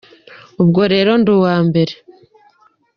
ubwo rero nduwambere